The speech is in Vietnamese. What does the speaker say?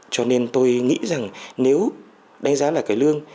cho nên tôi nghĩ rằng nếu đánh giá là cải lương